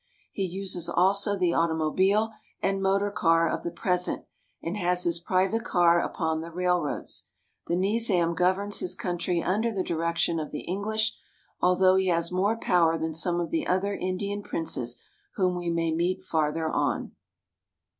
He uses also the automobile and motor car of the present, and has his private car upon the railroads. The Nizam governs his country under the direction of the English, although he has more power than some of the other Indian princes whom we may meet farther on.